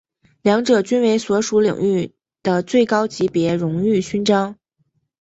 两者均为所属领域的最高级别荣誉勋章。